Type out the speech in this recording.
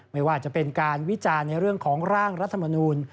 ไม่ว่าจะเป็นการวิจารณ์ในเรื่องของร่างรัฐมนูล